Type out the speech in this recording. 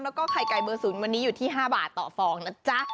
แล้วก็ไข่ไก่เบอร์ศูนย์วันนี้อยู่ที่๕บาทต่อฟองนะจ๊ะ